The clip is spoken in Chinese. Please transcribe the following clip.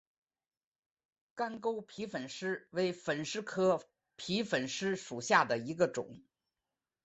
干沟皮粉虱为粉虱科皮粉虱属下的一个种。